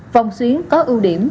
vòng xuyến có ưu điểm